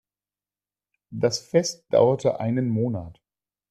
Das Fest dauerte einen Monat.